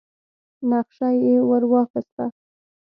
نخشه يې ور واخيسه.